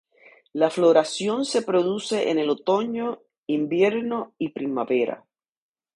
La floración se produce en el otoño, invierno y primavera.